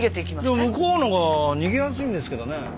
いや向こうのほうが逃げやすいんですけどね。